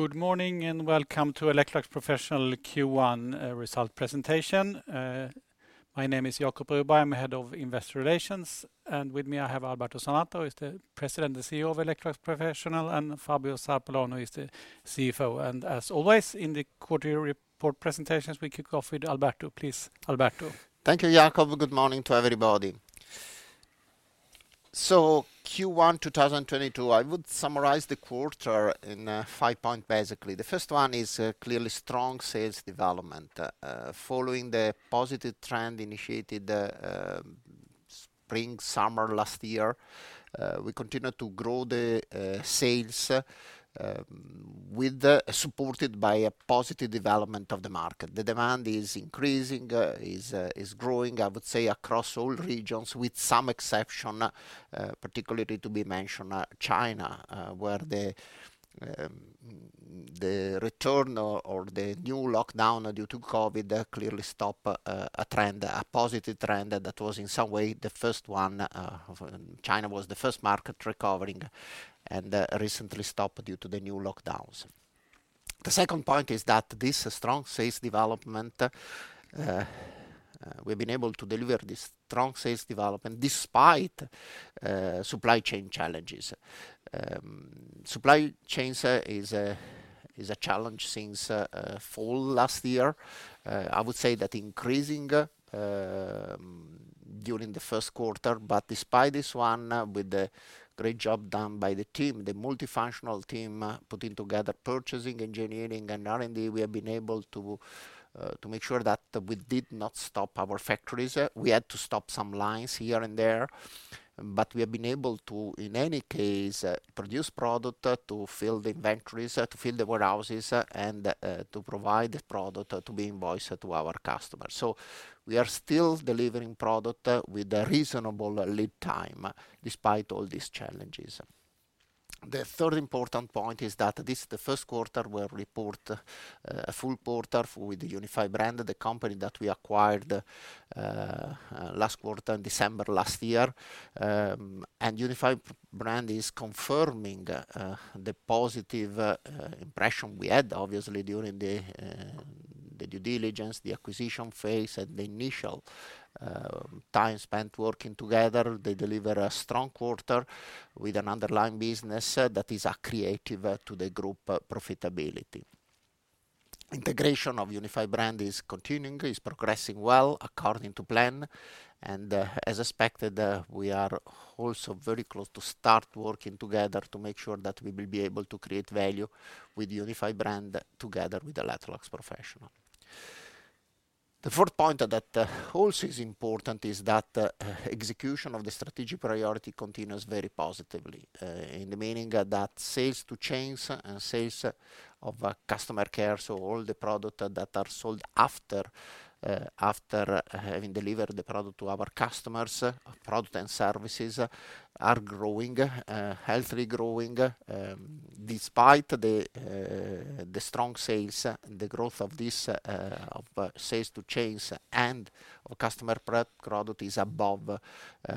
Good morning, and welcome to Electrolux Professional Q1 results presentation. My name is Jacob Broberg. I'm Head of Investor Relations. With me, I have Alberto Zanata, who is the President and CEO of Electrolux Professional, and Fabio Zarpellon is the CFO. As always, in the quarterly report presentations, we kick off with Alberto. Please, Alberto. Thank you, Jacob. Good morning to everybody. Q1 2022, I would summarize the quarter in five points basically. The first one is clearly strong sales development. Following the positive trend initiated spring/summer last year, we continue to grow the sales supported by a positive development of the market. The demand is increasing, is growing, I would say, across all regions, with some exception, particularly to be mentioned, China, where the return or the new lockdown due to COVID clearly stop a trend, a positive trend that was in some way the first one. China was the first market recovering and recently stopped due to the new lockdowns. The second point is that this strong sales development we've been able to deliver this strong sales development despite supply chain challenges. Supply chains is a challenge since fall last year. I would say that increasing during the first quarter, but despite this one, with the great job done by the team, the multifunctional team putting together purchasing, engineering, and R&D, we have been able to to make sure that we did not stop our factories. We had to stop some lines here and there, but we have been able to, in any case, produce product to fill the inventories, to fill the warehouses, and to provide the product to be invoiced to our customers. We are still delivering product with a reasonable lead time despite all these challenges. The third important point is that this is the first quarter we'll report a full quarter with the Unified Brands, the company that we acquired last quarter in December last year. Unified Brands is confirming the positive impression we had obviously during the due diligence, the acquisition phase, and the initial time spent working together. They deliver a strong quarter with an underlying business that is accretive to the group profitability. Integration of Unified Brands is continuing and progressing well according to plan. As expected, we are also very close to start working together to make sure that we will be able to create value with Unified Brands together with Electrolux Professional. The fourth point that also is important is that execution of the strategic priority continues very positively in the meaning that sales to chains and sales of Customer Care, so all the products that are sold after having delivered the product to our customers, products and services, are growing healthily growing despite the strong sales. The growth of sales to chains and of customer product is above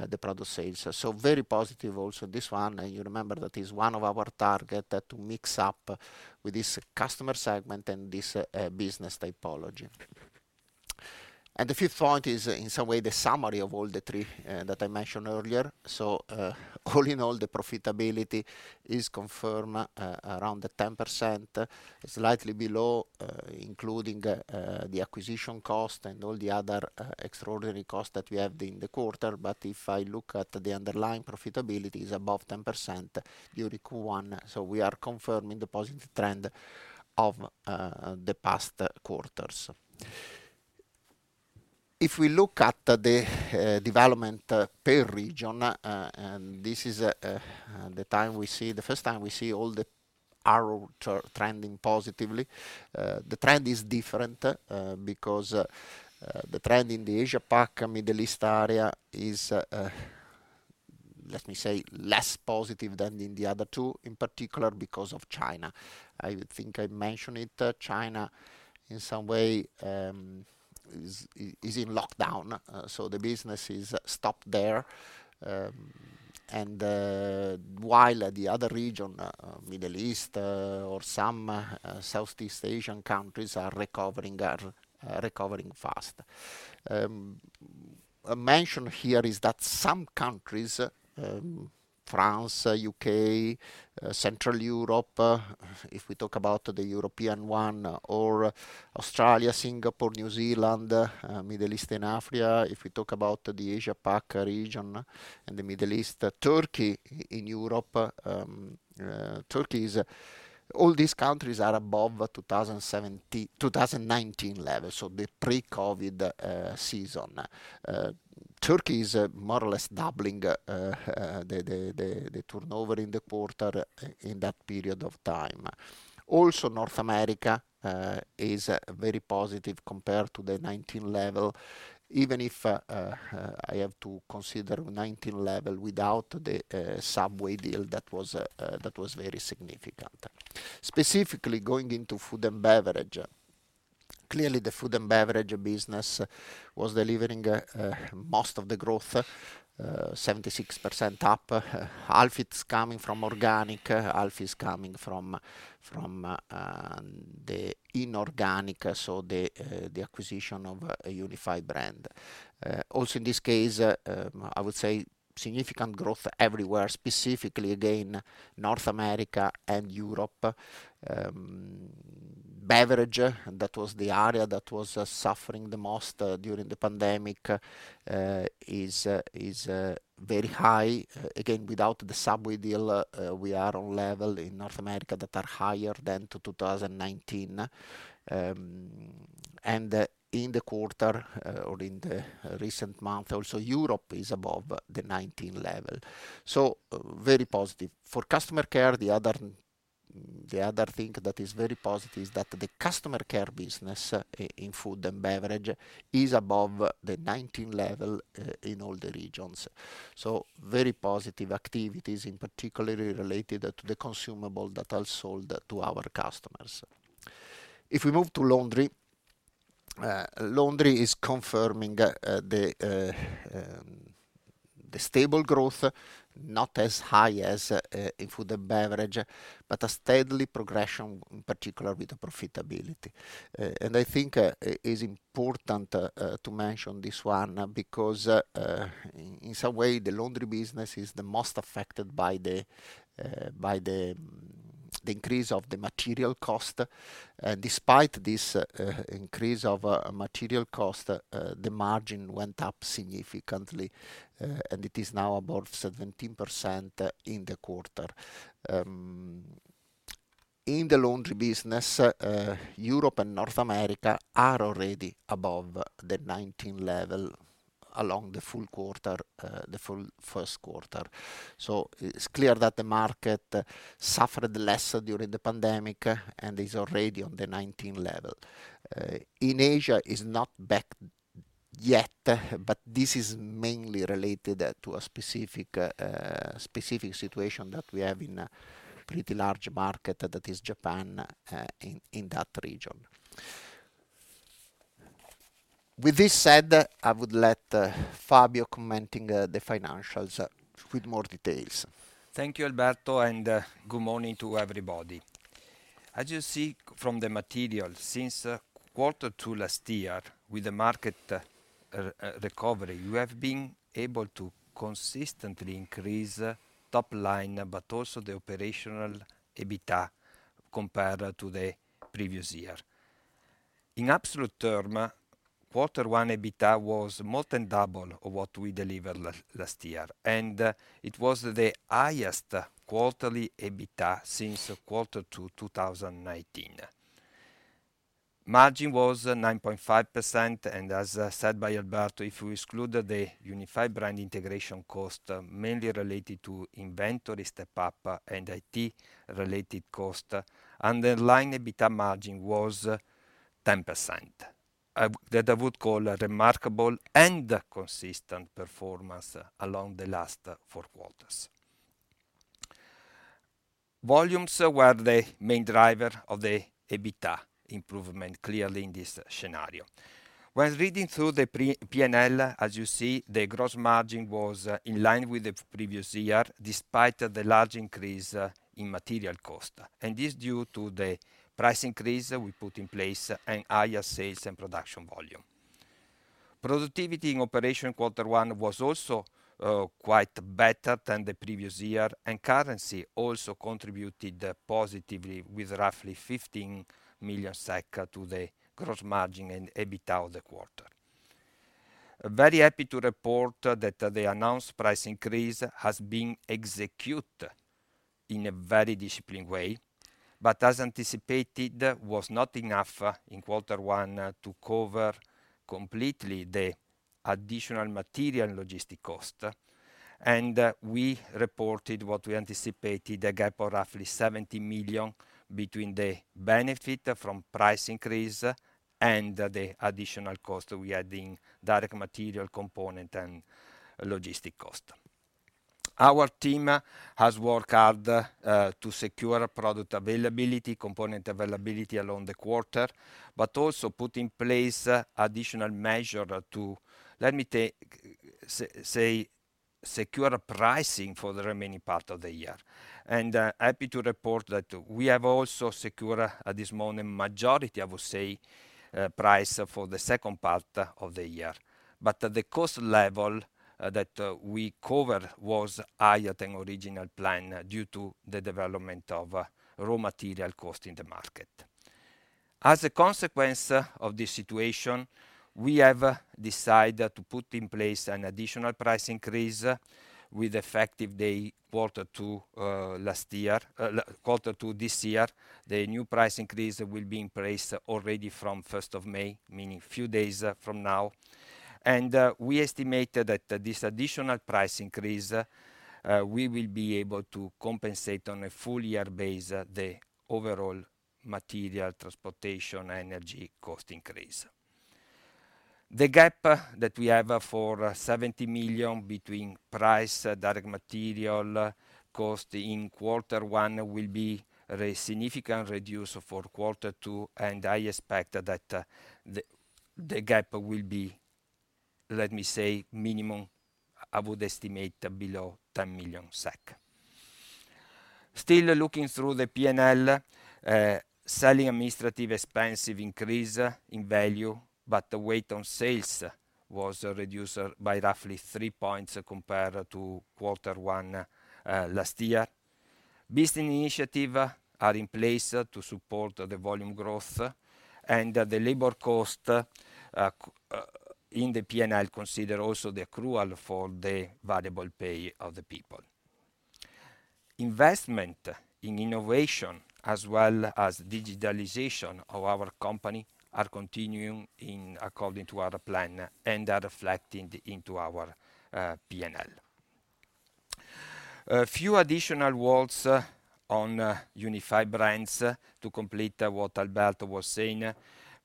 the product sales. Very positive also this one. You remember that is one of our target to mix up with this customer segment and this business typology. The fifth point is in some way the summary of all the three that I mentioned earlier. All in all, the profitability is confirmed around the 10%, slightly below, including the acquisition cost and all the other extraordinary costs that we have during the quarter. If I look at the underlying profitability, it is above 10% during Q1. We are confirming the positive trend of the past quarters. If we look at the development per region, and this is the first time we see all the areas trending positively. The trend is different because the trend in the Asia Pac, Middle East area is, let me say, less positive than in the other two, in particular because of China. I think I mentioned it. China in some way is in lockdown, so the business is stopped there. While the other region, Middle East, or some Southeast Asian countries are recovering fast. A mention here is that some countries, France, UK, Central Europe, if we talk about the European one, or Australia, Singapore, New Zealand, Middle East and Africa, if we talk about the Asia Pac region and the Middle East, Turkey in Europe. All these countries are above 2019 levels, so the pre-COVID season. Turkey is more or less doubling the turnover in the quarter in that period of time. Also, North America is very positive compared to the 2019 level, even if I have to consider 2019 level without the Subway deal that was very significant. Specifically going into Food & Beverage. Clearly, the Food & Beverage business was delivering most of the growth, 76% up. Half it's coming from organic, half is coming from the inorganic, so the acquisition of Unified Brands. Also in this case, I would say significant growth everywhere, specifically again, North America and Europe. Beverage, that was the area that was suffering the most during the pandemic, is very high. Again, without the Subway deal, we are on level in North America that are higher than 2019. In the quarter or in the recent month also, Europe is above the 2019 level. Very positive. For Customer Care, the other thing that is very positive is that the Customer Care business in Food & Beverage is above the 19% level in all the regions. Very positive activities, in particular related to the consumables that are sold to our customers. If we move to Laundry is confirming the stable growth, not as high as in Food & Beverage, but a steady progression, in particular with the profitability. I think it's important to mention this one because in some way, the Laundry business is the most affected by the increase of the material cost. Despite this increase of material cost, the margin went up significantly, and it is now above 17% in the quarter. In the Laundry business, Europe and North America are already above the 19% level along the full quarter, the full first quarter. It's clear that the market suffered less during the pandemic and is already on the 19% level. In Asia is not back yet, but this is mainly related to a specific situation that we have in a pretty large market that is Japan, in that region. With this said, I would let Fabio commenting the financials with more details. Thank you, Alberto, and good morning to everybody. As you see from the material, since quarter two last year with the market re-recovery, you have been able to consistently increase top line, but also the operational EBITDA compared to the previous year. In absolute terms, quarter one EBITDA was more than double of what we delivered last year, and it was the highest quarterly EBITDA since quarter two, 2019. Margin was 9.5%, and as said by Alberto, if we exclude the Unified Brands integration cost, mainly related to inventory step up and IT-related cost, underlying EBITDA margin was 10%. That I would call a remarkable and consistent performance along the last four quarters. Volumes were the main driver of the EBITDA improvement, clearly in this scenario. When reading through the P&L, as you see, the gross margin was in line with the previous year, despite the large increase in material cost. This due to the price increase we put in place and higher sales and production volume. Productivity in operation quarter one was also quite better than the previous year, and currency also contributed positively with roughly 15 million SEK to the gross margin and EBITDA of the quarter. Very happy to report that the announced price increase has been executed in a very disciplined way, but as anticipated, was not enough in quarter one to cover completely the additional material logistic cost. We reported what we anticipated, a gap of roughly 70 million between the benefit from price increase and the additional cost we had in direct material component and logistic cost. Our team has worked hard to secure product availability, component availability throughout the quarter, but also put in place additional measures to secure pricing for the remaining part of the year. Happy to report that we have also secure at this moment majority, I would say, price for the second part of the year. The cost level that we covered was higher than original plan due to the development of raw material cost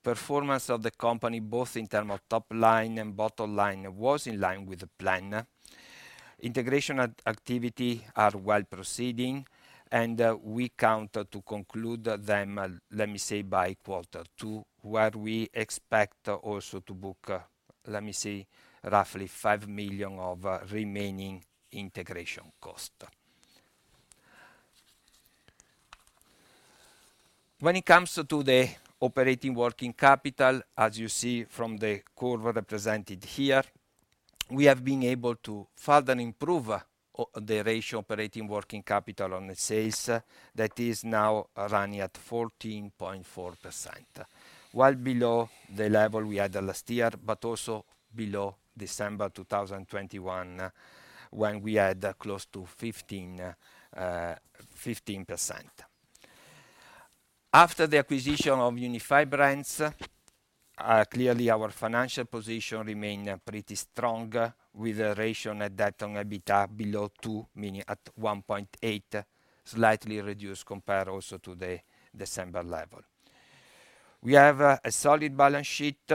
Performance of the company, both in terms of top line and bottom line, was in line with the plan. Integration activity are well proceeding, and we expect to conclude them, let me say, by quarter two, where we expect also to book, let me see, roughly 5 million of remaining integration cost. When it comes to the operating working capital, as you see from the curve represented here, we have been able to further improve the ratio operating working capital on the sales. That is now running at 14.4%, well below the level we had last year, but also below December 2021, when we had close to 15%. After the acquisition of Unified Brands, clearly our financial position remain pretty strong with a ratio net debt on EBITDA below 2, meaning at 1.8, slightly reduced compared also to the December level. We have a solid balance sheet,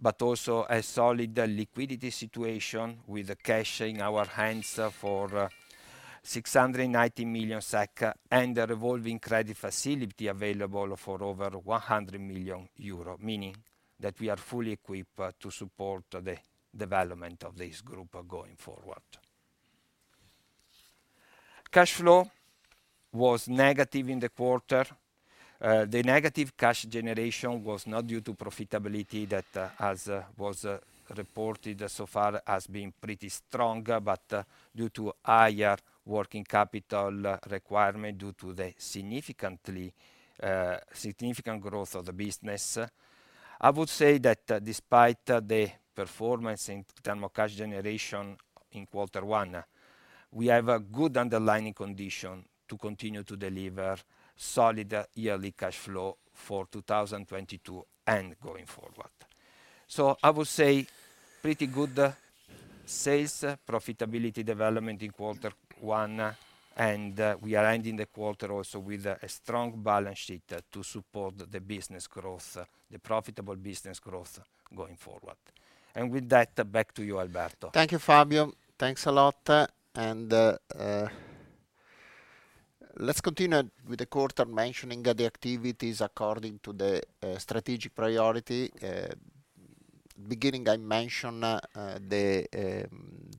but also a solid liquidity situation with cash in our hands for 690 million SEK and a revolving credit facility available for over 100 million euro, meaning that we are fully equipped to support the development of this group going forward. Cash flow was negative in the quarter. The negative cash generation was not due to profitability that, as, was, reported so far as being pretty strong, but due to higher working capital requirement due to the significant growth of the business. I would say that despite the performance in terms of cash generation in quarter one, we have a good underlying condition to continue to deliver solid yearly cash flow for 2022 and going forward. I would say pretty good sales profitability development in quarter one, and we are ending the quarter also with a strong balance sheet to support the business growth, the profitable business growth going forward. With that, back to you, Alberto Zanata. Thank you, Fabio Zarpellon. Thanks a lot. Let's continue with the quarter mentioning the activities according to the strategic priority. Beginning, I mentioned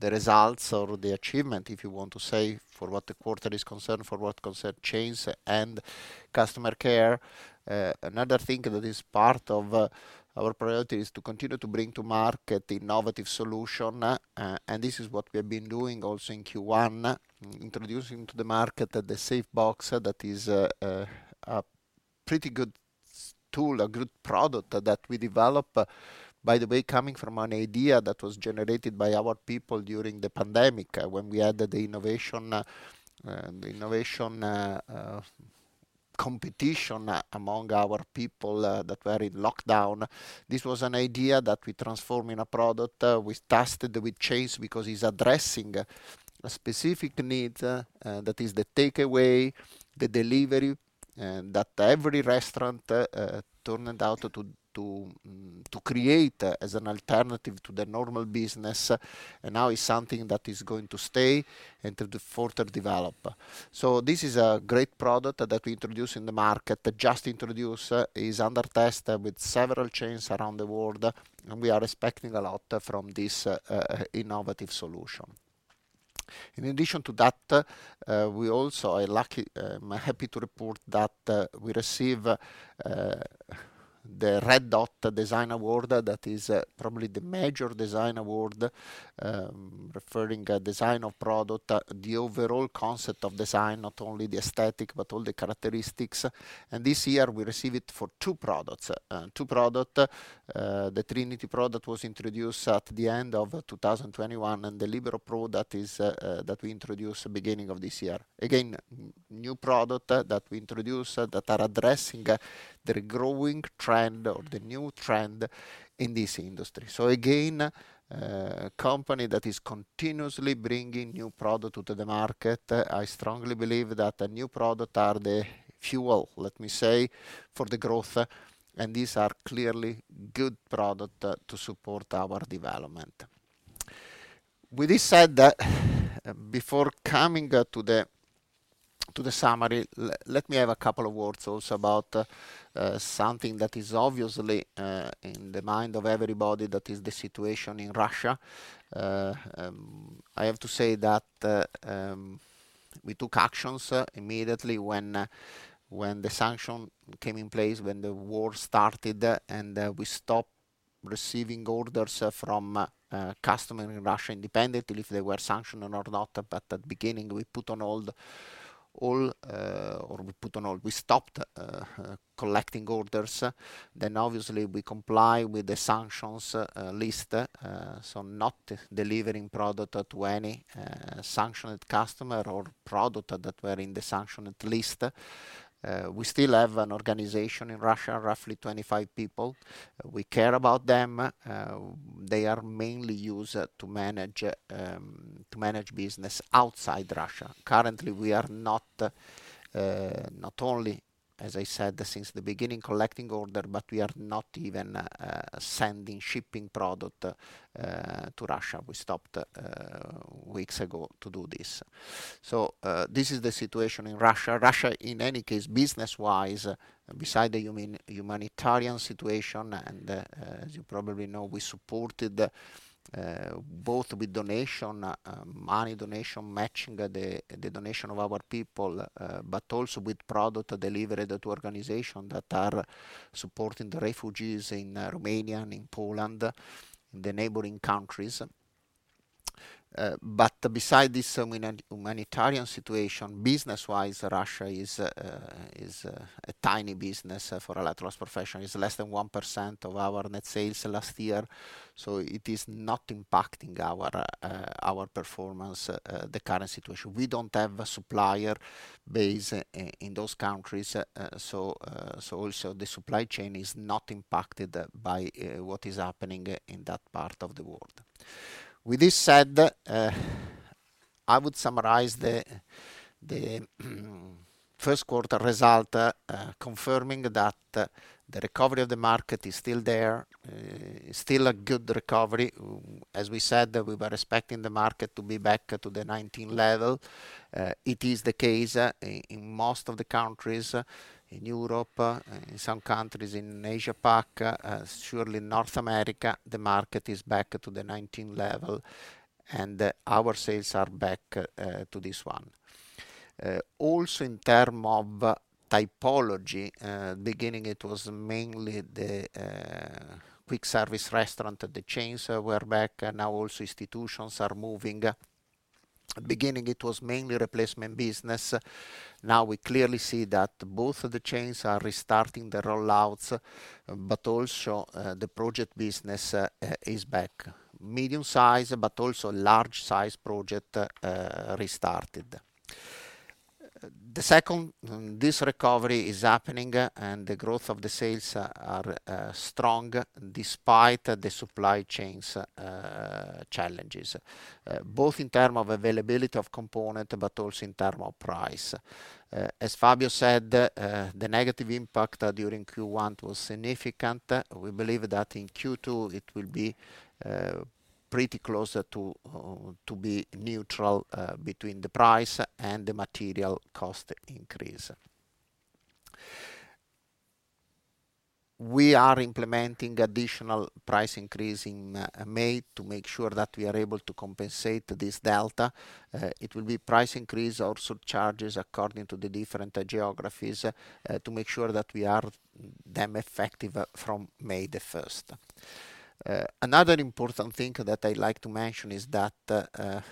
the results or the achievement, if you want to say, for what the quarter is concerned, for what concerned chains and Customer Care. Another thing that is part of our priority is to continue to bring to market innovative solution, and this is what we have been doing also in Q1, introducing to the market the SafeBox. That is a pretty good tool, a good product that we develop, by the way, coming from an idea that was generated by our people during the pandemic, when we had the innovation competition among our people that were in lockdown. This was an idea that we transform in a product, we tested with chains because it's addressing a specific need that is the takeaway, the delivery that every restaurant turned out to create as an alternative to the normal business. Now it's something that is going to stay and to further develop. This is a great product that we introduce in the market and is under test with several chains around the world, and we are expecting a lot from this innovative solution. In addition to that, we are also happy to report that we receive the Red Dot Design Award that is probably the major design award referring to the design of the product, the overall concept of design, not only the aesthetic, but all the characteristics. This year, we receive it for two products. The Trinity product was introduced at the end of 2021, and the Libero product is that we introduced beginning of this year. Again, new product that we introduce that are addressing the growing trend or the new trend in this industry. Again, company that is continuously bringing new product to the market. I strongly believe that the new product are the fuel, let me say, for the growth, and these are clearly good product to support our development. With this said, before coming to the summary, let me have a couple of words also about something that is obviously in the mind of everybody, that is the situation in Russia. I have to say that we took actions immediately when the sanctions came in place, when the war started, and we stopped receiving orders from customers in Russia independently if they were sanctioned or not. At beginning we put on hold all. We stopped collecting orders. Then obviously we comply with the sanctions list, so not delivering product to any sanctioned customer or product that were in the sanctioned list. We still have an organization in Russia, roughly 25 people. We care about them. They are mainly used to manage business outside Russia. Currently, we are not only, as I said, since the beginning, collecting order, but we are not even sending shipping product to Russia. We stopped weeks ago to do this. This is the situation in Russia. Russia, in any case, business-wise, besides the humanitarian situation, and as you probably know, we supported both with donation, money donation, matching the donation of our people, but also with product delivery to organization that are supporting the refugees in Romania and in Poland, in the neighboring countries. Besides this humanitarian situation, business-wise, Russia is a tiny business for Electrolux Professional. It's less than 1% of our net sales last year, so it is not impacting our performance, the current situation. We don't have a supplier base in those countries, so also the supply chain is not impacted by what is happening in that part of the world. With this said, I would summarize the first quarter result, confirming that the recovery of the market is still there. Still a good recovery. As we said, we were expecting the market to be back to the 2019 level. It is the case in most of the countries in Europe, in some countries in Asia Pac, surely North America, the market is back to the 2019 level, and our sales are back to this one. Also in terms of typology, at the beginning it was mainly the quick service restaurant, the chains were back. Now also institutions are moving. At the beginning it was mainly replacement business. Now we clearly see that both of the chains are restarting the rollouts, but also the project business is back. Medium size, but also large size projects restarted. Secondly, this recovery is happening and the growth of the sales are strong despite the supply chain challenges both in terms of availability of components, but also in terms of price. As Fabio said, the negative impact during Q1 was significant. We believe that in Q2 it will be pretty close to neutral between the price and the material cost increase. We are implementing additional price increase in May to make sure that we are able to compensate this delta. It will be price increase or surcharges according to the different geographies to make sure that they are effective from May 1. Another important thing that I like to mention is that a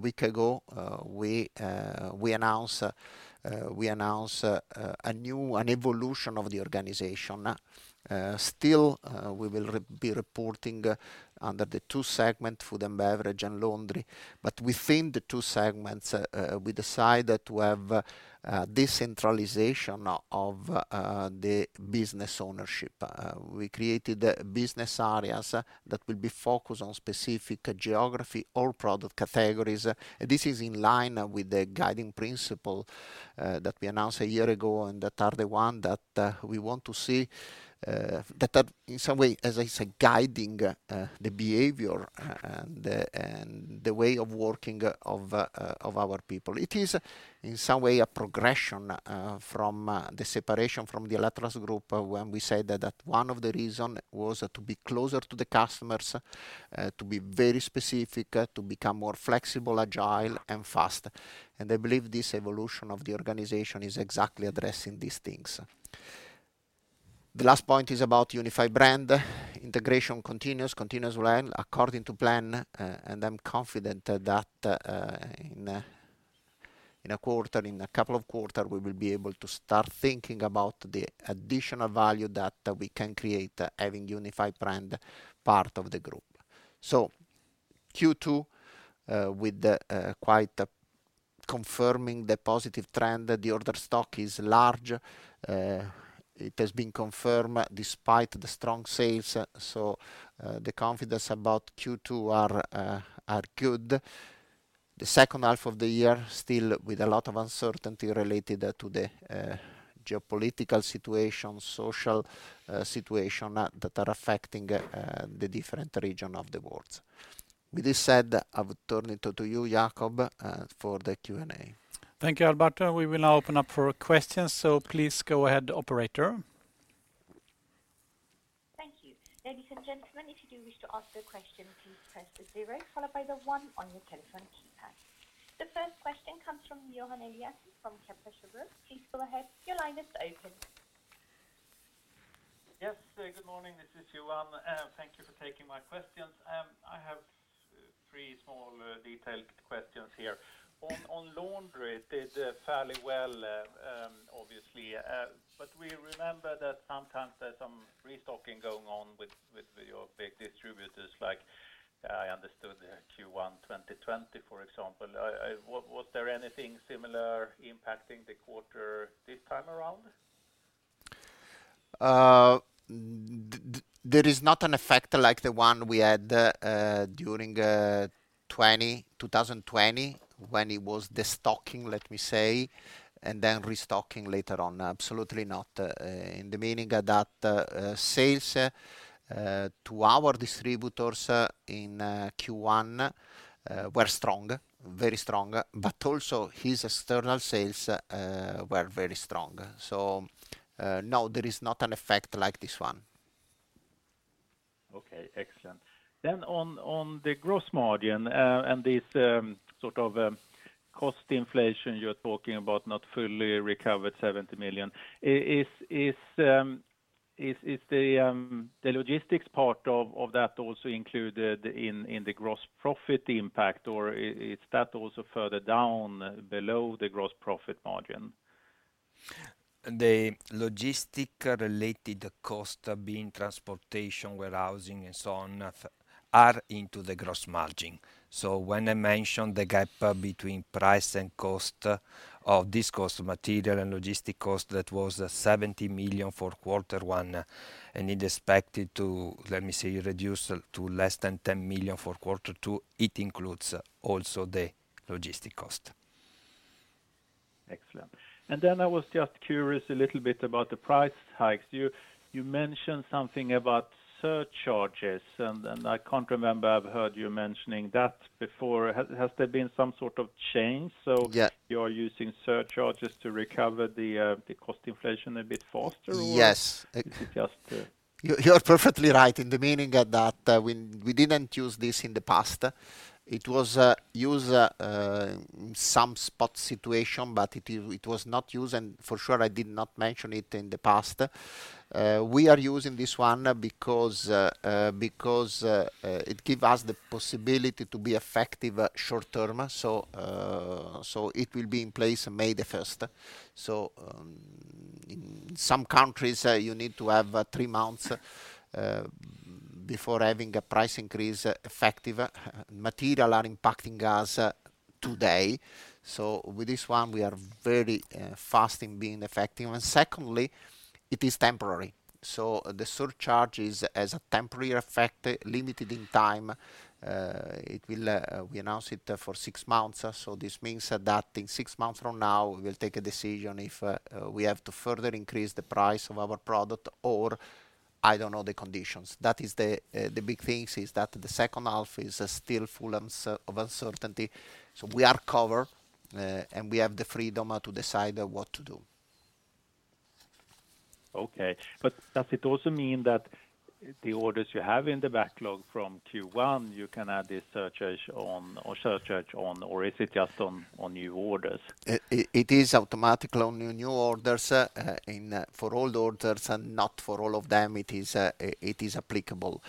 week ago we announced an evolution of the organization. Still we will be reporting under the two segments, Food and Beverage and Laundry. Within the two segments we decided to have decentralization of the business ownership. We created business areas that will be focused on specific geography or product categories. This is in line with the guiding principle that we announced a year ago, and that are the one that we want to see that are in some way, as I say, guiding the behavior and the way of working of our people. It is in some way a progression from the separation from the Electrolux Group when we said that one of the reason was to be closer to the customers, to be very specific, to become more flexible, agile and fast. I believe this evolution of the organization is exactly addressing these things. The last point is about Unified Brands. Integration continues well according to plan, and I'm confident that in a couple of quarters we will be able to start thinking about the additional value that we can create having Unified Brands part of the group. Q2 with the Q1 confirming the positive trend. The order stock is large. It has been confirmed despite the strong sales, so the confidence about Q2 are good. The second half of the year still with a lot of uncertainty related to the geopolitical situation, social situation that are affecting the different region of the world. With this said, I would turn it to you, Jacob, for the Q&A. Thank you, Alberto. We will now open up for questions, so please go ahead, operator. Thank you. Ladies and gentlemen, if you do wish to ask a question, please press the zero followed by the one on your telephone keypad. The first question comes from Johan Eliason from Kepler Cheuvreux. Please go ahead. Your line is open. Good morning. This is Johan. Thank you for taking my questions. I have three small detailed questions here. On Laundry, it did fairly well, obviously. We remember that sometimes there's some restocking going on with your big distributors like I understood the Q1 2020, for example. Was there anything similar impacting the quarter this time around? There is not an effect like the one we had during 2020 when it was the stocking, let me say, and then restocking later on. Absolutely not. In the meaning that sales to our distributors in Q1 were strong, very strong, but also its external sales were very strong. No, there is not an effect like this one. Okay, excellent. On the gross margin and this sort of cost inflation you're talking about not fully recovered 70 million, is the logistics part of that also included in the gross profit impact, or is that also further down below the gross profit margin? The logistics related cost being transportation, warehousing, and so on are into the gross margin. When I mentioned the gap between price and cost of this cost, material and logistic cost, that was 70 million for quarter one, and it expected to, let me say, reduce to less than 10 million for quarter two. It includes also the logistic cost. Excellent. I was just curious a little bit about the price hikes. You mentioned something about surcharges, and I can't remember if I've heard you mentioning that before. Has there been some sort of change? Yeah You're using surcharges to recover the cost inflation a bit faster or- Yes Is it just? You're perfectly right in the meaning that we didn't use this in the past. It was used some spot situation, but it was not used, and for sure, I did not mention it in the past. We are using this one because it give us the possibility to be effective short term. It will be in place May the first. In some countries you need to have three months before having a price increase effective. Material are impacting us today. With this one, we are very fast in being effective. Secondly, it is temporary. The surcharge is as a temporary effect, limited in time. We announce it for six months. This means that in six months from now, we will take a decision if we have to further increase the price of our product or I don't know the conditions. That is the big things is that the second half is still full of uncertainty. We are covered, and we have the freedom to decide what to do. Okay. Does it also mean that the orders you have in the backlog from Q1, you can add this surcharge on, or is it just on new orders? It is automatically on new orders. For old orders and not for all of them, it is applicable.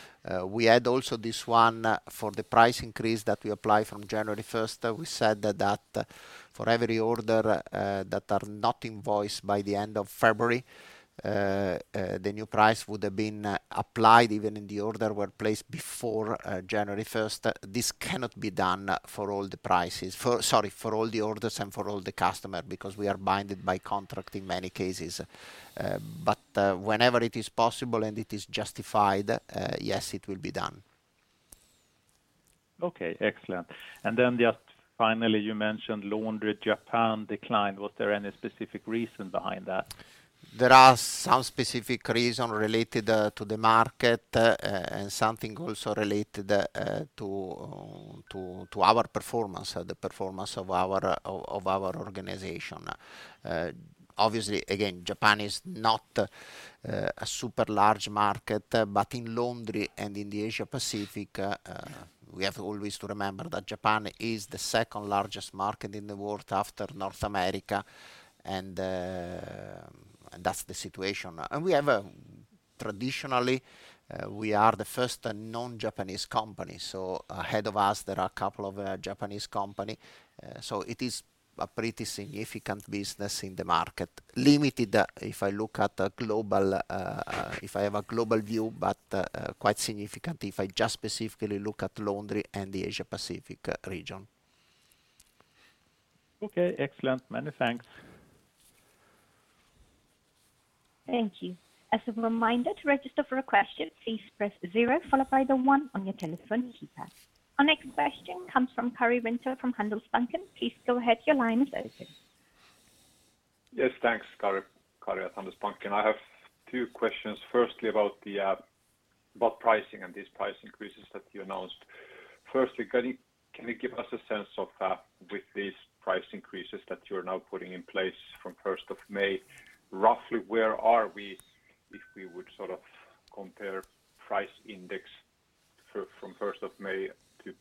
We also add this one for the price increase that we apply from January first. We said that for every order that are not invoiced by the end of February, the new price would have been applied even if the order were placed before January 1. This cannot be done for all the prices for all the orders and for all the customers because we are bound by contract in many cases. Whenever it is possible and it is justified, yes, it will be done. Okay, excellent. Just finally, you mentioned Laundry Japan declined. Was there any specific reason behind that? There are some specific reason related to the market, and something also related to our performance, the performance of our organization. Obviously, again, Japan is not a super large market, but in Laundry and in the Asia Pacific, we have always to remember that Japan is the second largest market in the world after North America. That's the situation. Traditionally, we are the first non-Japanese company. So ahead of us, there are a couple of Japanese company. It is a pretty significant business in the market. Limited if I look at a global view, but quite significant if I just specifically look at Laundry and the Asia Pacific region. Okay, excellent. Many thanks. Thank you. As a reminder, to register for a question, please press zero followed by the one on your telephone keypad. Our next question comes from Karri Rinta from Handelsbanken. Please go ahead. Your line is open. Yes. Thanks. Karri, Handelsbanken. I have two questions. Firstly, about pricing and these price increases that you announced. Firstly, can you give us a sense of with these price increases that you're now putting in place from first of May, roughly where are we if we would sort of compare price index from first of May to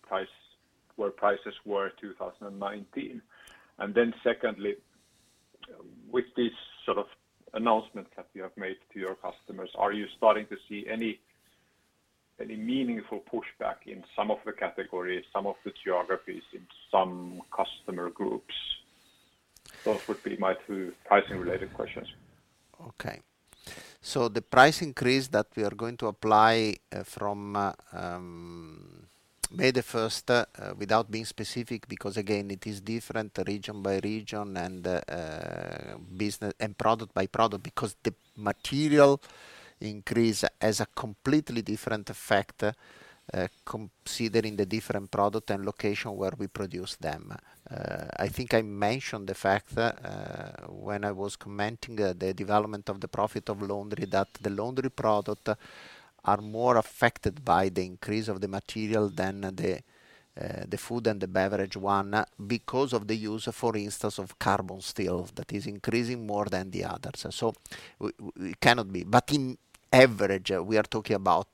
where prices were 2019? And then secondly, with this sort of announcement that you have made to your customers, are you starting to see any meaningful pushback in some of the categories, some of the geographies, in some customer groups? Those would be my two pricing-related questions. Okay. The price increase that we are going to apply from May 1 without being specific because again it is different region by region and business and product by product because the material increase has a completely different effect considering the different product and location where we produce them. I think I mentioned the fact that when I was commenting the development of the profit of Laundry that the Laundry product are more affected by the increase of the material than the Food and Beverage one because of the use for instance of carbon steel that is increasing more than the others. We cannot be specific. On average we are talking about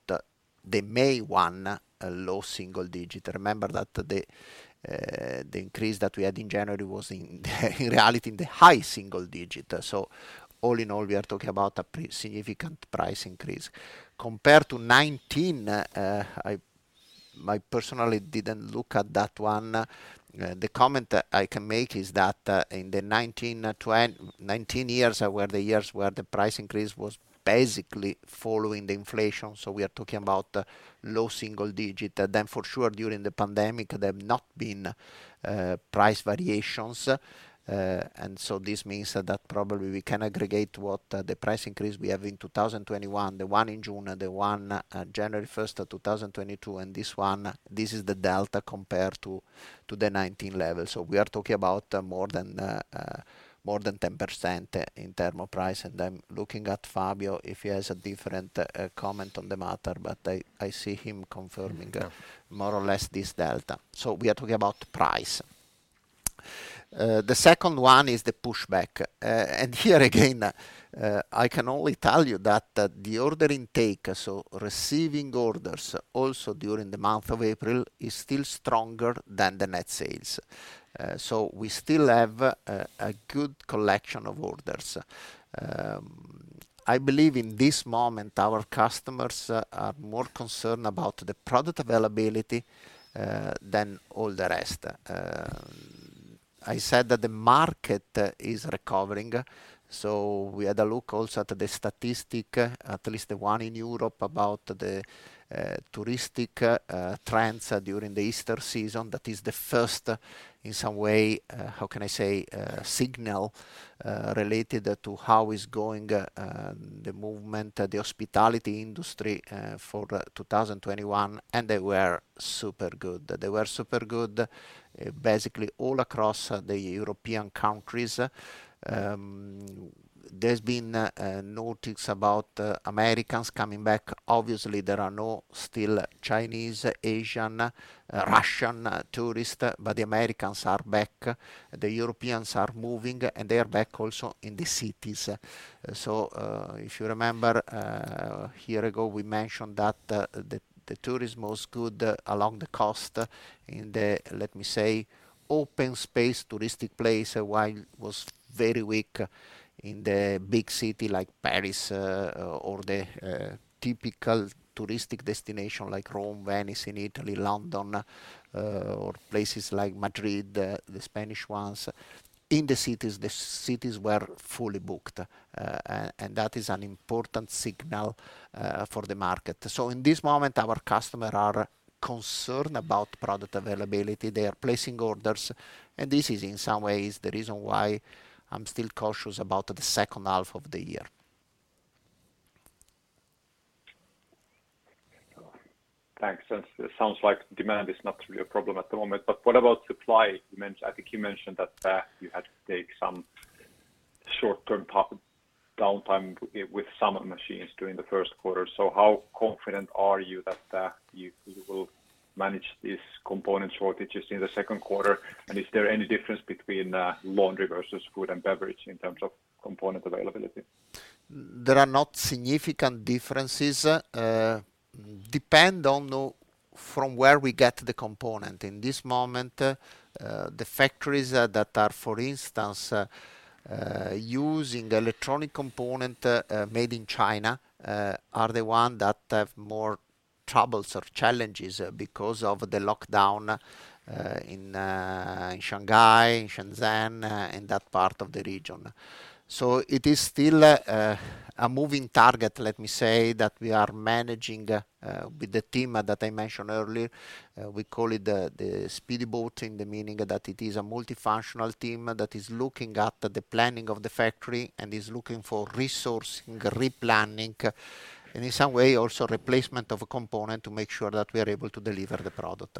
May 1 a low single-digit %. Remember that the increase that we had in January was in reality in the high single digit. All in all, we are talking about a pretty significant price increase. Compared to 2019, I personally didn't look at that one. The comment that I can make is that in the 2019-2020 years where the price increase was basically following the inflation. We are talking about low single digit. For sure, during the pandemic, there have not been price variations. This means that probably we can aggregate the price increase we have in 2021, the one in June and the one January first of 2022. This one, this is the delta compared to the 2019 level. We are talking about more than 10% in terms of price. I'm looking at Fabio if he has a different comment on the matter, but I see him confirming- Yeah more or less this delta. We are talking about price. The second one is the pushback. Here again, I can only tell you that the order intake, so receiving orders also during the month of April, is still stronger than the net sales. We still have a good collection of orders. I believe in this moment our customers are more concerned about the product availability than all the rest. I said that the market is recovering. We had a look also at the statistic, at least the one in Europe, about the touristic trends during the Easter season. That is the first in some way, how can I say, signal related to how is going the movement, the hospitality industry for 2021, and they were super good. They were super good basically all across the European countries. There's been notice about Americans coming back. Obviously, there are still no Chinese, Asian, Russian tourists, but the Americans are back, the Europeans are moving, and they are back also in the cities. If you remember a year ago, we mentioned that the tourism was good along the coast in the let me say open space touristic place, while it was very weak in the big city like Paris or the typical touristic destination like Rome, Venice in Italy, London or places like Madrid, the Spanish ones. In the cities, the cities were fully booked. That is an important signal for the market. In this moment, our customers are concerned about product availability. They are placing orders, and this is in some ways the reason why I'm still cautious about the second half of the year. Thanks. It sounds like demand is not really a problem at the moment, but what about supply? You mentioned. I think you mentioned that you had to take some short-term downtime with some machines during the first quarter. How confident are you that you will manage these component shortages in the second quarter? And is there any difference between Laundry versus Food and Beverage in terms of component availability? There are not significant differences. It depends on from where we get the component. In this moment, the factories that are, for instance, using electronic component made in China are the ones that have more troubles or challenges because of the lockdown in Shanghai, in Shenzhen, in that part of the region. It is still a moving target, let me say, that we are managing with the team that I mentioned earlier. We call it the speedboat, in the meaning that it is a multifunctional team that is looking at the planning of the factory and is looking for resourcing, replanning, and in some way also replacement of a component to make sure that we are able to deliver the product.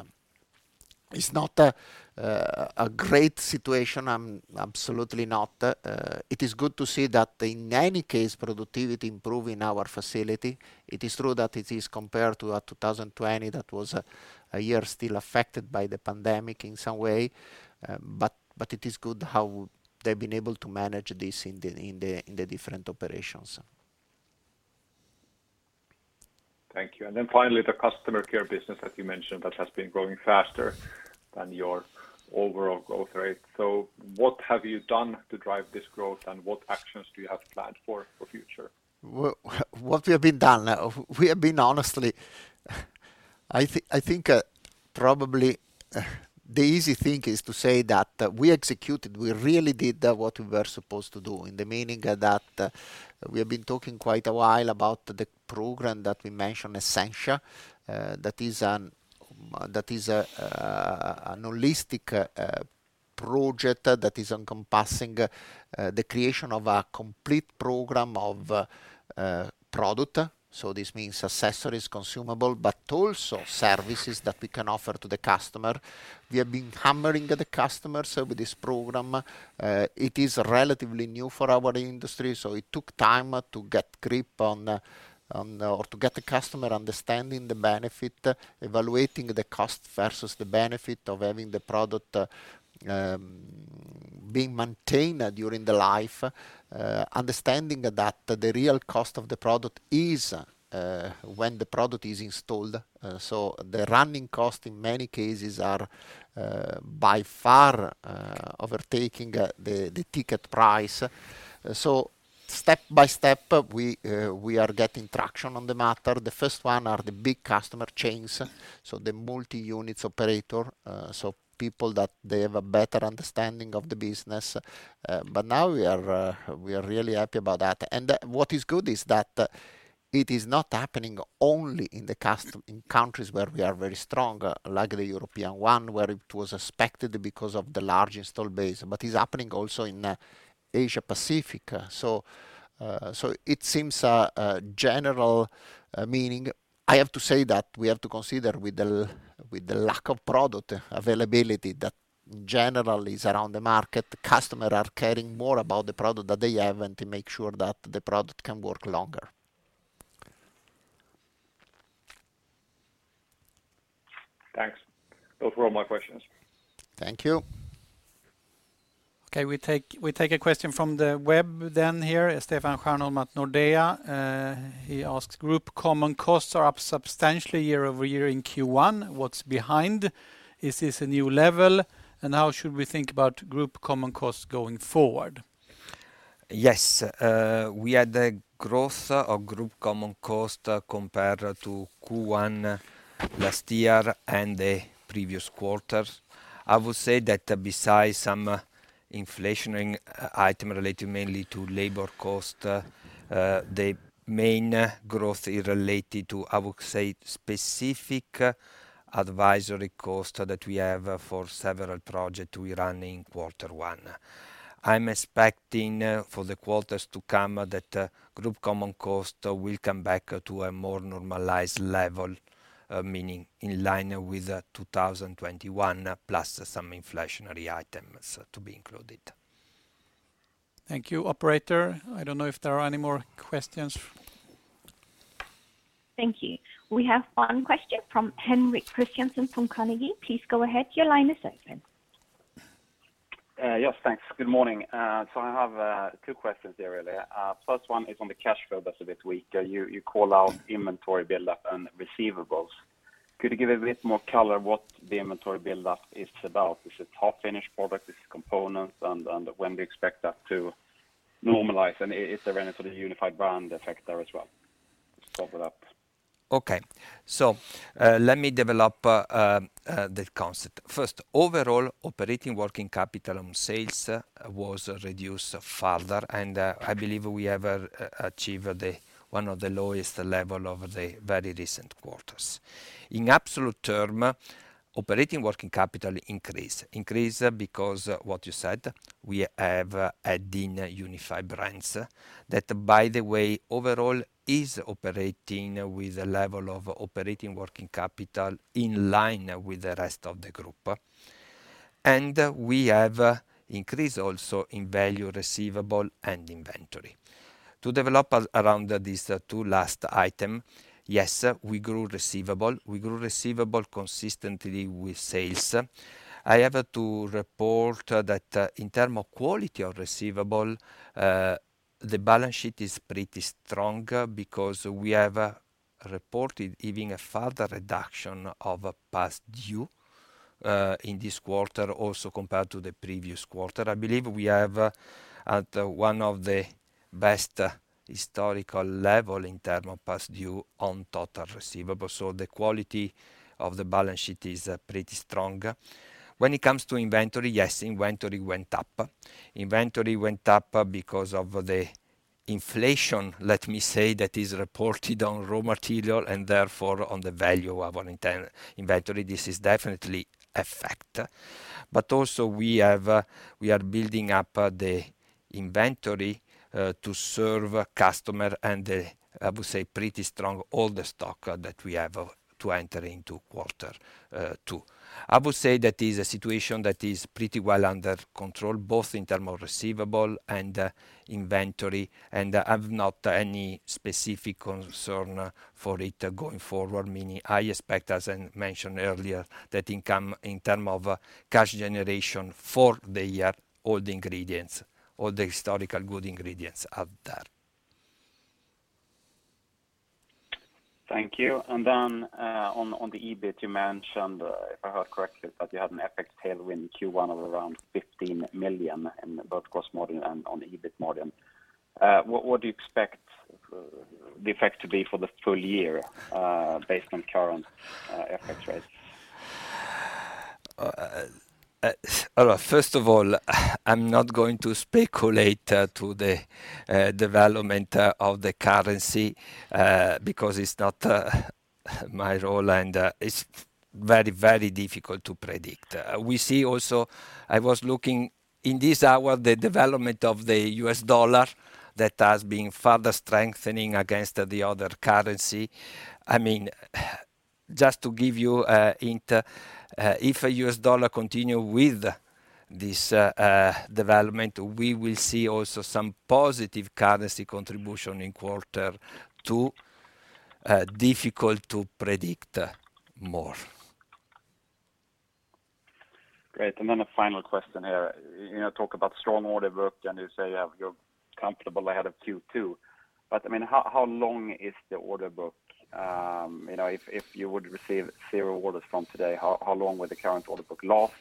It's not a great situation. Absolutely not. It is good to see that in any case, productivity improve in our facility. It is true that it is compared to 2020, that was a year still affected by the pandemic in some way. It is good how they've been able to manage this in the different operations. Thank you. Finally, the Customer Care business, as you mentioned, has been growing faster than your overall growth rate. What have you done to drive this growth, and what actions do you have planned for future? Well, what we have done. We have been, honestly, I think, probably the easy thing is to say that we executed. We really did what we were supposed to do, in the meaning that we have been talking quite a while about the program that we mentioned, Essentia. That is a holistic project that is encompassing the creation of a complete program of product. This means accessories, consumables, but also services that we can offer to the customer. We have been hammering the customers with this program. It is relatively new for our industry, so it took time to get grip on, or to get the customer understanding the benefit, evaluating the cost versus the benefit of having the product, being maintained during the life. Understanding that the real cost of the product is when the product is installed. The running cost in many cases are by far overtaking the ticket price. Step by step, we are getting traction on the matter. The first one are the big customer chains, so the multi-units operator, so people that they have a better understanding of the business. Now we are really happy about that. What is good is that it is not happening only in countries where we are very strong, like the European one, where it was expected because of the large install base, but is happening also in Asia Pacific. It seems a general meaning. I have to say that we have to consider with the lack of product availability that generally is around the market, customers are caring more about the product that they have and to make sure that the product can work longer. Thanks. Those were all my questions. Thank you. Okay, we take a question from the web then here. Stefan Stjernholm at Nordea. He asks, group common costs are up substantially year-over-year in Q1. What's behind? Is this a new level? And how should we think about group common costs going forward? Yes. We had a growth of group common cost compared to Q1 last year and the previous quarters. I would say that besides some inflation item related mainly to labor cost, the main growth is related to, I would say, specific advisory cost that we have for several project we run in quarter one. I'm expecting for the quarters to come that group common cost will come back to a more normalized level, meaning in line with 2021, plus some inflationary items to be included. Thank you. Operator, I don't know if there are any more questions. Thank you. We have one question from Henrik Christiansson from Carnegie. Please go ahead. Your line is open. Yes, thanks. Good morning. So I have two questions here really. First one is on the cash flow that's a bit weaker. You call out inventory buildup and receivables. Could you give a bit more color what the inventory buildup is about? Is it half-finished product? Is it components? And when do you expect that to normalize? And is there any sort of Unified Brands effect there as well? To follow up. Okay. Let me develop the concept. First, overall operating working capital on sales was reduced further, and I believe we have achieved the one of the lowest level of the very recent quarters. In absolute terms, operating working capital increased because what you said, we have added in Unified Brands that, by the way, overall is operating with a level of operating working capital in line with the rest of the group. We have increased also in value receivables and inventory. To develop around these two last items, yes, we grew receivables. We grew receivables consistently with sales. I have to report that in terms of quality of receivables, the balance sheet is pretty strong because we have reported even a further reduction of past-due in this quarter also compared to the previous quarter. I believe we have at one of the best historical levels in terms of past due on total receivables. The quality of the balance sheet is pretty strong. When it comes to inventory, yes, inventory went up because of the inflation, let me say, that is reported on raw materials and therefore on the value of our entire inventory. This is definitely an effect. Also we are building up the inventory to serve customer and I would say pretty strong order stock that we have to enter into quarter two. I would say that is a situation that is pretty well under control, both in terms of receivable and inventory, and I've not any specific concern for it going forward. Meaning I expect, as I mentioned earlier, that income in terms of cash generation for the year, all the ingredients, all the historical good ingredients are there. Thank you. On the EBIT, you mentioned, if I heard correctly, that you had an FX tailwind in Q1 of around 15 million in the gross margin and on the EBIT margin. What do you expect the effect to be for the full year, based on current FX rates? First of all, I'm not going to speculate to the development of the currency because it's not my role, and it's very, very difficult to predict. We see also I was looking in this hour, the development of the US dollar that has been further strengthening against the other currency. I mean, just to give you a hint, if US dollar continue with this development, we will see also some positive currency contribution in quarter two. Difficult to predict more. Great. A final question here. You know, talk about strong order book, and you say you're comfortable ahead of Q2. I mean, how long is the order book? You know, if you would receive zero orders from today, how long would the current order book last?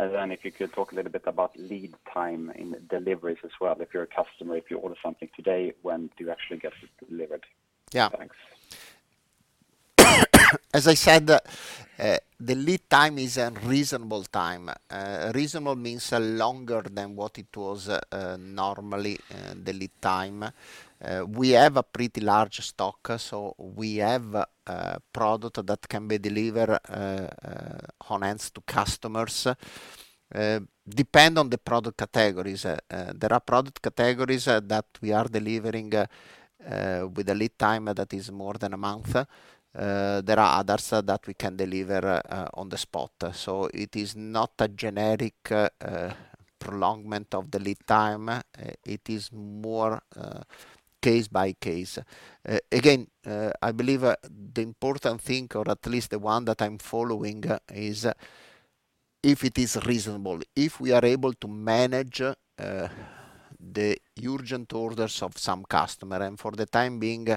If you could talk a little bit about lead time in deliveries as well. If you're a customer, if you order something today, when do you actually get it delivered? Yeah. Thanks. As I said, the lead time is a reasonable time. Reasonable means longer than what it was normally the lead time. We have a pretty large stock, so we have a product that can be delivered on hand to customers. It depends on the product categories. There are product categories that we are delivering with a lead time that is more than a month. There are others that we can deliver on the spot. It is not a generic prolongment of the lead time. It is more case by case. I believe the important thing, or at least the one that I'm following, is if it is reasonable if we are able to manage the urgent orders of some customer. For the time being,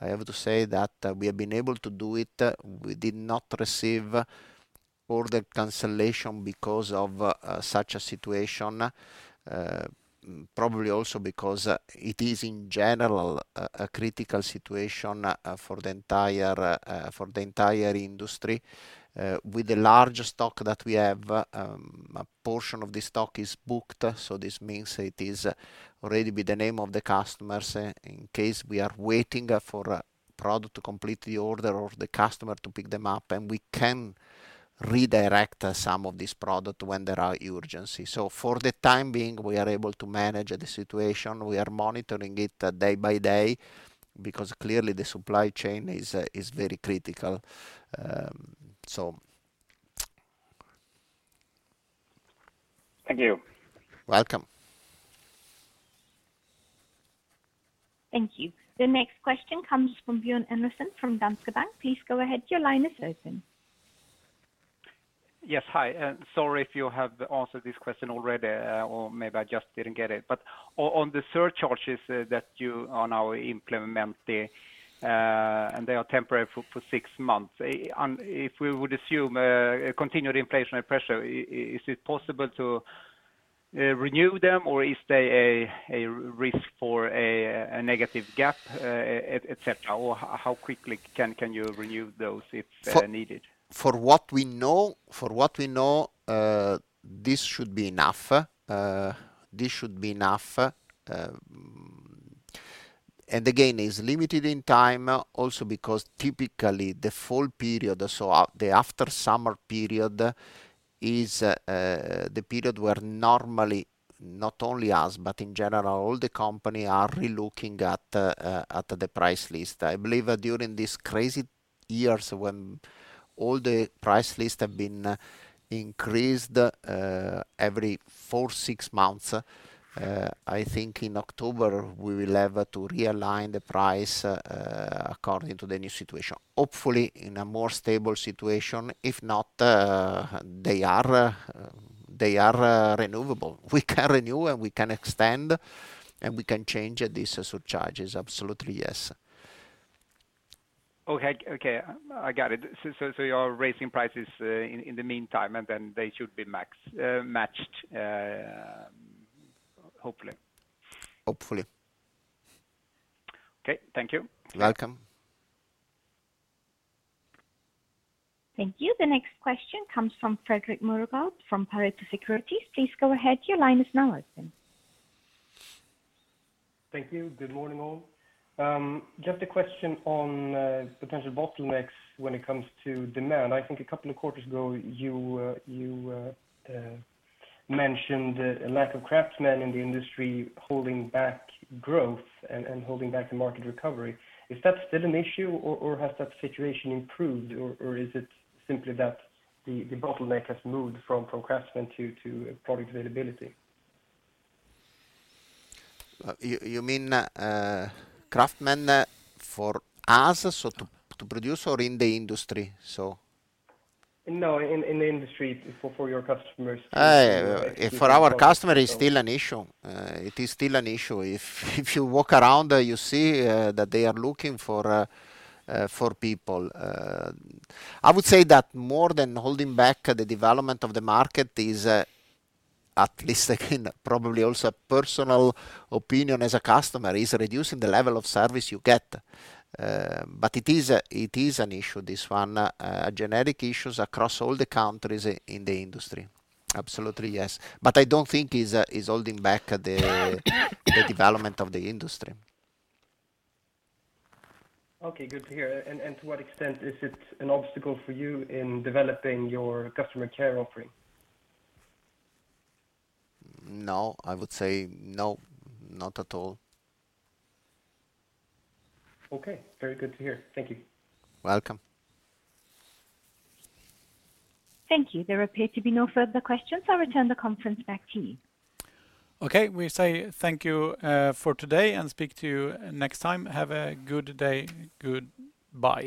I have to say that we have been able to do it. We did not receive order cancellation because of such a situation. Probably also because it is in general a critical situation for the entire industry. With the large stock that we have, a portion of the stock is booked, so this means it is already with the name of the customers. In case we are waiting for a product to complete the order of the customer to pick them up, and we can redirect some of this product when there are urgency. For the time being, we are able to manage the situation. We are monitoring it day by day, because clearly the supply chain is very critical. Thank you. Welcome. Thank you. The next question comes from Björn Enarson from Danske Bank. Please go ahead, your line is open. Yes. Hi, sorry if you have answered this question already, or maybe I just didn't get it. On the surcharges that you are now implementing, and they are temporary for 6 months. If we would assume a continued inflationary pressure, is it possible to renew them, or is there a risk for a negative gap, et cetera? How quickly can you renew those if needed? For what we know, this should be enough. Again, it's limited in time also because typically the full period, so the after summer period, is the period where normally, not only us, but in general, all the company are relooking at the price list. I believe during these crazy years when all the price list have been increased every 4-6 months, I think in October we will have to realign the price according to the new situation. Hopefully, in a more stable situation. If not, they are renewable. We can renew, and we can extend, and we can change these surcharges. Absolutely, yes. Okay. Okay, I got it. You're raising prices in the meantime, and then they should be max matched, hopefully. Hopefully. Okay. Thank you. You're welcome. Thank you. The next question comes from Fredrik Moregård from Pareto Securities. Please go ahead, your line is now open. Thank you. Good morning, all. Just a question on potential bottlenecks when it comes to demand. I think a couple of quarters ago, you mentioned a lack of craftsmen in the industry holding back growth and holding back the market recovery. Is that still an issue or has that situation improved, or is it simply that the bottleneck has moved from craftsmen to product availability? You mean craftsmen for us, so to produce or in the industry, so? No. In the industry for your customers. For our customer, it's still an issue. It is still an issue. If you walk around, you see that they are looking for people. I would say that more than holding back the development of the market is, at least, again, probably also personal opinion as a customer, is reducing the level of service you get. It is an issue, this one. Generic issues across all the countries in the industry. Absolutely, yes. I don't think is holding back the development of the industry. Okay, good to hear. To what extent is it an obstacle for you in developing your Customer Care offering? No. I would say no, not at all. Okay. Very good to hear. Thank you. Welcome. Thank you. There appear to be no further questions. I'll return the conference back to you. Okay. We say thank you for today and speak to you next time. Have a good day. Goodbye.